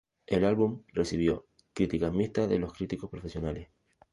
El álbum recibió críticas mixtas de los críticos profesionales.